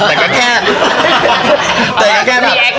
แต่ก็แค่แต่ก็แค่แบบ